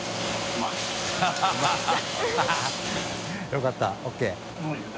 よかったＯＫ。